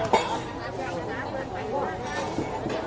สวัสดีทุกคนสวัสดีทุกคน